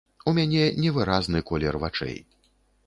У мяне невыразны колер вачэй.